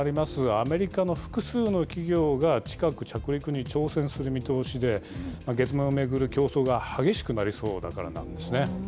アメリカの複数の企業が近く、着陸に挑戦する見通しで、月面を巡る競争が激しくなりそうだからなんですね。